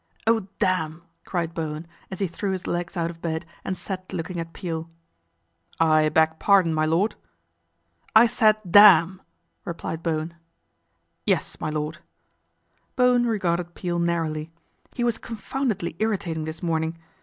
" Oh, damn !" cried Bowen as he threw his legs out of bed and sat looking at Peel. " I beg pardon, my lord ?"" I said damn !" replied Bowen. " Yes, my lord." Bowen regarded Peel narrowly. He was con foundedly irritating this morning.